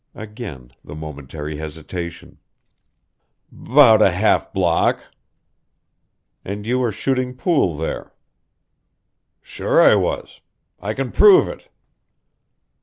Again the momentary hesitation. "'Bout a half block." "And you were shooting pool there?" "Sure I was! I c'n prove it."